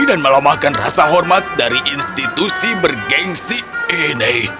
dan melamakan rasa hormat dari institusi bergensi ini